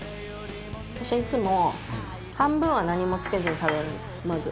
私いつも半分は何もつけずに食べるんですまず。